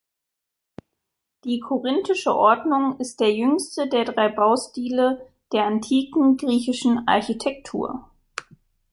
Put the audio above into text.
Die korinthische Ordnung ist der jüngste der drei Baustile der antiken griechischen Architektur.